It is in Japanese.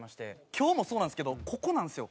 今日もそうなんですけどここなんですよ。